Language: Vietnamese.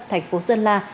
thành phố sơn la